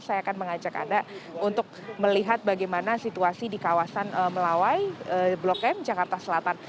saya akan mengajak anda untuk melihat bagaimana situasi di kawasan melawai blok m jakarta selatan